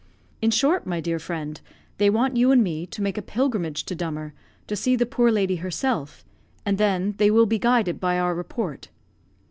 In short, my dear friend, they want you and me to make a pilgrimage to Dummer, to see the poor lady herself; and then they will be guided by our report."